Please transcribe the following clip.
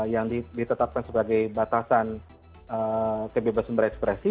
yang ditetapkan sebagai batasan kebebasan berekspresi